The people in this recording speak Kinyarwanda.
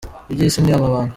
Iby’isi ni amabanga.